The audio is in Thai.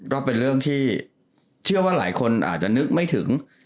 ก็เป็นเรื่องที่เชื่อว่าหลายคนอาจจะนึกไม่ถึง